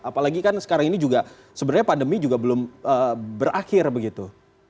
apalagi kan sekarang ini juga sebenarnya pandemi juga belum berakhir begitu